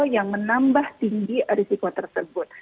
yang menambah tinggi risiko tersebut